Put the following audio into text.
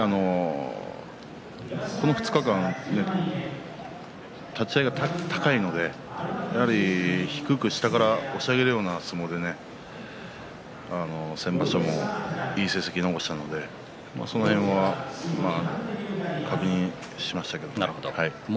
この２日間立ち合いが高いので低く下から押し上げるような相撲で先場所もいい成績を残したのでその辺は確認しましたけれども。